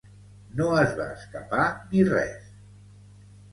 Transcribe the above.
No es va escapar ni res.